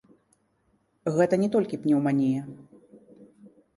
Гэта не толькі пнеўманія.